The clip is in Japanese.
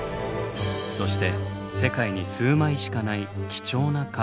そして世界に数枚しかない貴重な貨幣も。